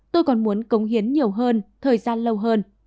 tôi còn muốn cống hiến nhiều hơn thời gian lâu hơn